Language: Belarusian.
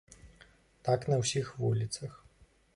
Так на ўсіх вуліцах.